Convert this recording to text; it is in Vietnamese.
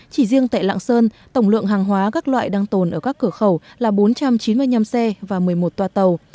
chỉ riêng tại lạng sơn tổng lượng hàng hóa các loại đang tồn ở các cửa khẩu là bốn trăm chín mươi năm xe và một mươi một toa tàu